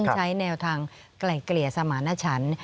ใช้แนวทางไกล่เกลี่ยสมาณฉัน